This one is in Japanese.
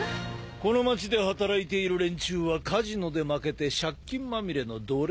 この街で働いている連中はカジノで負けて借金まみれの奴隷だよ。